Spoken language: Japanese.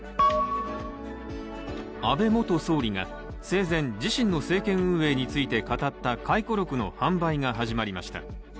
安倍元総理が生前自身の政権運営について語った回顧録の販売が始まりました。